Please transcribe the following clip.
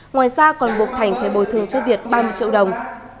ngoài ra còn buộc thành phải bồi thường cho việt ba mươi triệu đồng